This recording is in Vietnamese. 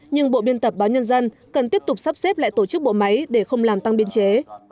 nhưng bộ biên tập báo nhân dân cần tiếp tục sắp xếp lại tổ chức bộ máy để không làm tăng biên chế